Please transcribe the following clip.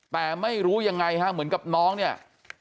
แต่ไม่รู้ยังไงฮะเหมือนกับน้องเนี่ย